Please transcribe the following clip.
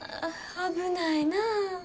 危ないなぁ。